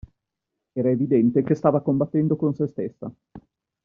Era evidente che stava combattendo con se stessa.